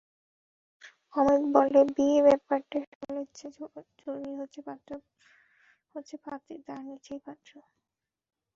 অমিত বলে, বিয়ে ব্যাপারটায় সকলের চেয়ে জরুরি হচ্ছে পাত্রী, তার নীচেই পাত্র।